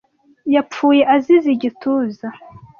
yapfuye azize igituza